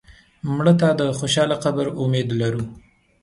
مړه ته د خوشاله قبر امید لرو